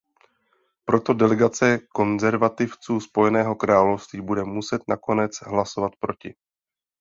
Proto delegace konzervativců Spojeného království bude muset nakonec hlasovat proti.